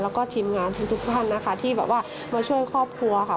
แล้วก็ทีมงานทุกท่านนะคะที่แบบว่ามาช่วยครอบครัวค่ะ